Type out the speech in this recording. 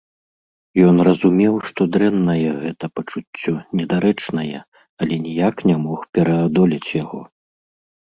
Ён разумеў, што дрэннае гэта пачуццё, недарэчнае, але ніяк не мог пераадолець яго.